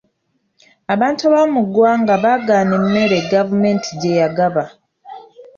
Abantu abamu mu ggwanga baagaana emmere gavumenti gye yagaba.